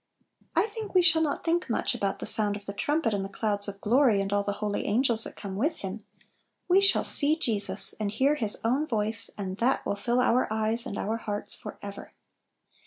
I think we shall not think much about the sound of the trumpet, and the clouds of glory, and all the holy an gels that come with Him; we shall "see Jesus," and hear His own voice, and that will fill our eyes and our hearts forever.